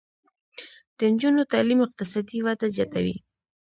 د نجونو تعلیم اقتصادي وده زیاتوي.